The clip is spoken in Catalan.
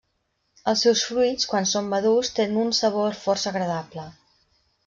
Els seus fruits, quan són madurs, tenen un sabor força agradable.